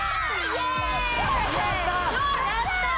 やったぁ！